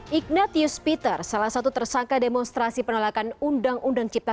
hai ignatius peter salah satu tersangka demonstrasi penolakan undang undang cipta